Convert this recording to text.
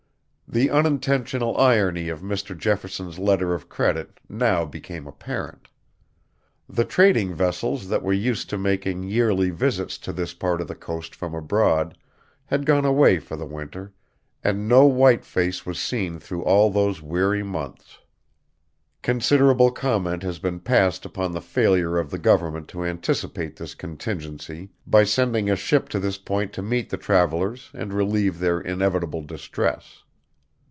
The unintentional irony of Mr. Jefferson's letter of credit now became apparent. The trading vessels that were used to making yearly visits to this part of the coast from abroad had gone away for the winter, and no white face was seen through all those weary months. Considerable comment has been passed upon the failure of the government to anticipate this contingency by sending a ship to this point to meet the travelers and relieve their inevitable distress.